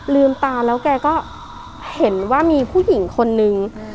ลืมตาแล้วแกก็เห็นว่ามีผู้หญิงคนนึง